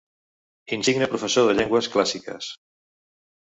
Insigne professor de llengües clàssiques.